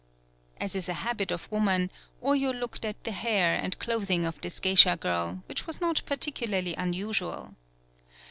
As is a habit of woman, Oyo looked at the hair and clothing of this geisha girl, which was not particularly un usual.